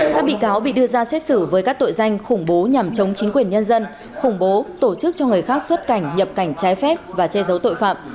các bị cáo bị đưa ra xét xử với các tội danh khủng bố nhằm chống chính quyền nhân dân khủng bố tổ chức cho người khác xuất cảnh nhập cảnh trái phép và che giấu tội phạm